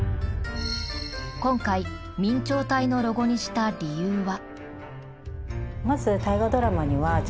今回明朝体のロゴにした理由は？